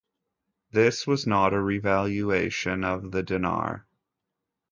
This was not a revaluation of the dinar.